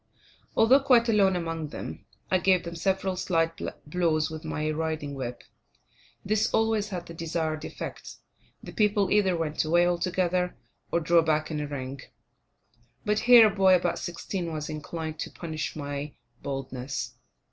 Although quite alone among them, I gave them several slight blows with my riding whip. This always had the desired effect; the people either went away altogether or drew back in a ring. But here, a boy about sixteen was inclined to punish my boldness.